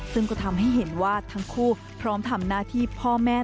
ซึ่งก็ทำให้เห็นว่าทั้งคู่พร้อมทำหน้าที่พ่อแม่